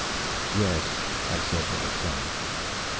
"Yes," I said with a sigh.